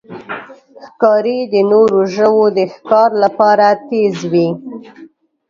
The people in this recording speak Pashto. ښکاري د نورو ژوو د ښکار لپاره تیز وي.